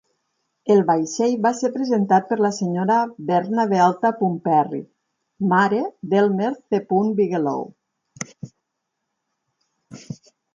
El vaixell va ser presentat per la senyora Verna B. Perry, mare d'Elmer C. Bigelow.